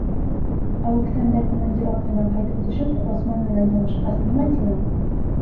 Ә үткәндә командировканан ҡайтып төшөп, Ғосман менән һуғышҡас, нимә тинең?